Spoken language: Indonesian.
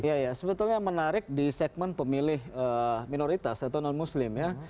iya ya sebetulnya menarik di segmen pemilih minoritas atau non muslim ya